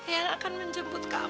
eang akan menjemput kamu